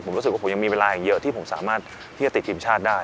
ผมรู้สึกว่าผมยังมีเวลาอีกเยอะที่ผมสามารถที่จะติดทีมชาติได้